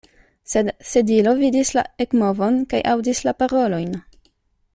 Sed Sedilo vidis la ekmovon kaj aŭdis la parolojn.